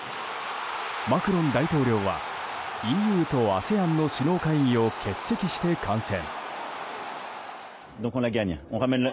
マクロン大統領はＥＵとＡＳＥＡＮの首脳会議を欠席して観戦。